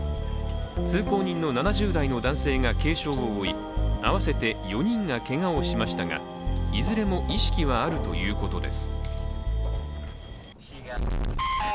通行人の７０代の男性が軽傷を負い、合わせて４人がけがをしましたがいずれも意識はあるということです。